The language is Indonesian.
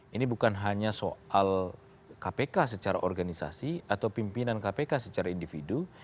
ini bukan hanya soal kpk secara organisasi atau pimpinan kpk secara individu